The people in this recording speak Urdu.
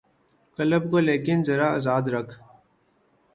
قلب کو لیکن ذرا آزاد رکھ